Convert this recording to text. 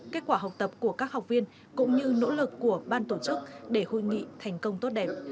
kết quả học tập của các học viên cũng như nỗ lực của ban tổ chức để hội nghị thành công tốt đẹp